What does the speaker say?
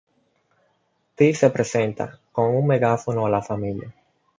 Ty se presenta con un megáfono a la familia.